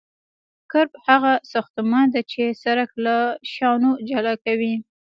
کرب هغه ساختمان دی چې سرک له شانو جلا کوي